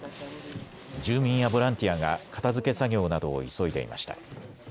住民やボランティアが片づけ作業などを急いでいました。